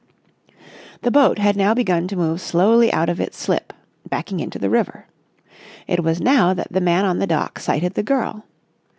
The boat had now begun to move slowly out of its slip, backing into the river. It was now that the man on the dock sighted the girl.